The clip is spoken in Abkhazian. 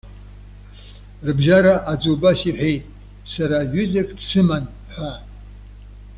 Рыбжьара аӡәы убас иҳәоит:- Сара ҩызак дсыман,- ҳәа